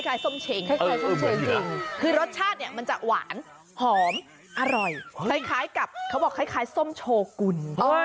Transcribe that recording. ส้มเชงคล้ายส้มเชงจริงคือรสชาติเนี่ยมันจะหวานหอมอร่อยคล้ายกับเขาบอกคล้ายส้มโชกุล